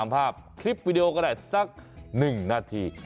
ภาพคลิปวิดีโอก็ได้สัก๑นาที